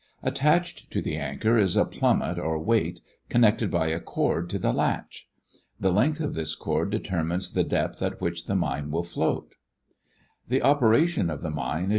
Attached to the anchor is a plummet or weight, connected by a cord to the latch. The length of this cord determines the depth at which the mine will float. [Illustration: Courtesy of the "Scientific American" FIG.